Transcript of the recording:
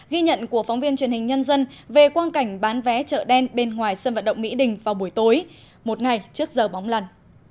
ghi nhận của phóng viên truyền hình nhân dân về quan cảnh bán vé chợ đen bên ngoài sân vận động mỹ đình vào buổi tối một ngày trước giờ bóng lần